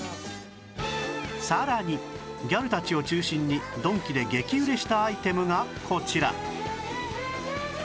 さらにギャルたちを中心にドンキで激売れしたアイテムがこちら